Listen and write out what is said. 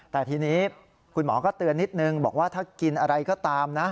แต่ทีนี้คุณหมอก็เตือนนิดนึงบอกว่าถ้ากินอะไรก็ตามนะ